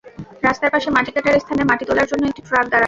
রাস্তার পাশে মাটি কাটার স্থানে মাটি তোলার জন্য একটি ট্রাক দাঁড়ানো।